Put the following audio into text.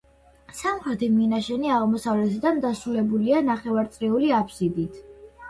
სამხრეთი მინაშენი აღმოსავლეთიდან დასრულებულია ნახევარწრიული აბსიდით.